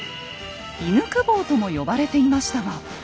「犬公方」とも呼ばれていましたが。